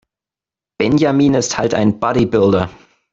Benjamin ist halt ein Bodybuilder.